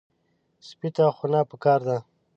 سپي ته خونه پکار ده.